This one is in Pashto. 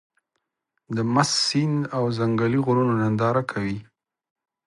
د مست سيند او ځنګلي غرونو ننداره کوې.